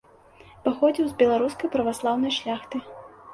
Паходзіў з беларускай праваслаўнай шляхты.